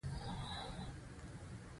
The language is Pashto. د ناصرو او سلیمان خېلو بدۍ په نیکۍ بدله شوه.